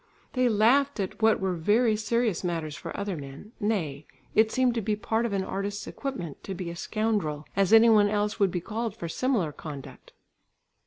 They laughed at what were very serious matters for other men, nay, it seemed to be part of an artist's equipment to be a "scoundrel," as any one else would be called for similar conduct.